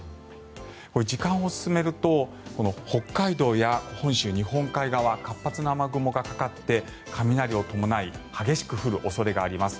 時間を進めると北海道や本州日本海側活発な雨雲がかかって、雷を伴い激しく降る恐れがあります。